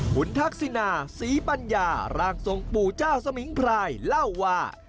คุณทักษินาศรีปัญญาร่างทรงปู่เจ้าสมิงพรายเล่าว่า